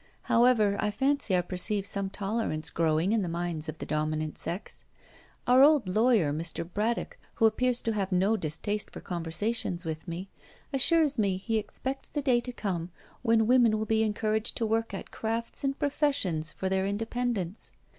However, I fancy I perceive some tolerance growing in the minds of the dominant sex. Our old lawyer Mr. Braddock, who appears to have no distaste for conversations with me, assures me he expects the day to come when women will be encouraged to work at crafts and professions for their independence.